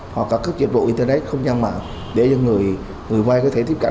hoặc là các dịch vụ internet không gian mạng để cho người vay có thể tiếp cận